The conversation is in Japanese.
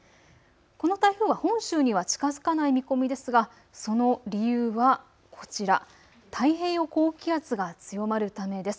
この台風は本州には近づかない見込みですがその理由はこちら、太平洋高気圧が強まるためです。